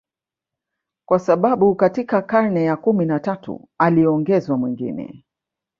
kwa sababu katika karne ya kumi na tatu uliongezwa mwingine